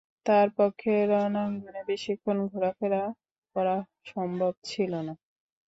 তার পক্ষে রণাঙ্গনে বেশিক্ষণ ঘোরাফেরা করা সম্ভব ছিল না।